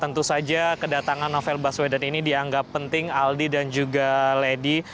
tentu saja kedatangan novel baswedan ini dianggap penting aldi dan juga lady